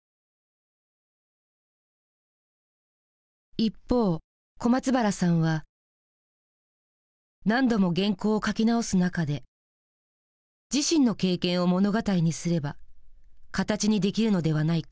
一方小松原さんは何度も原稿を書き直す中で自身の経験を物語にすれば形にできるのではないかと思ったという。